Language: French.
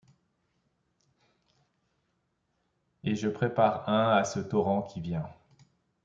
Et je prépare un à ce torrent qui vient ;